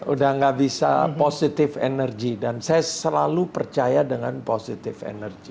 udah gak bisa positif energi dan saya selalu percaya dengan positive energy